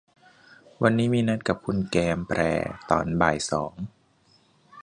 วันนี้มีนัดกับคุณแกมแพรตอนบ่ายสอง